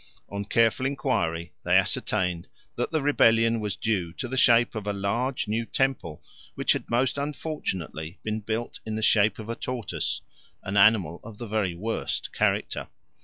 On careful enquiry they ascertained that the rebellion was due to the shape of a large new temple which had most unfortunately been built in the shape of a tortoise, an animal of the very worst character.